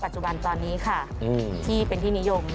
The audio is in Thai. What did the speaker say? จุบันตอนนี้ค่ะที่เป็นที่นิยม